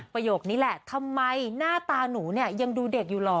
ประโยคนี้แหละทำไมหน้าตาหนูเนี่ยยังดูเด็กอยู่เหรอ